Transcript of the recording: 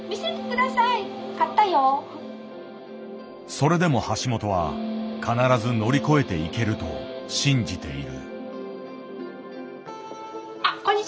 それでも橋本は必ず乗り越えていけると信じている。